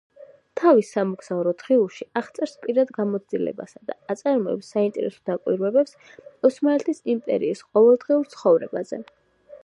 თავის სამოგზაურო დღიურებში აღწერს პირად გამოცდილებასა და აწარმოებს საინტერესო დაკვირვებებს ოსმალეთის იმპერიის ყოველდღიურ ცხოვრებაზე.